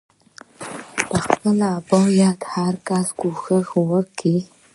خپله بايد يو کس کوښښ وکي.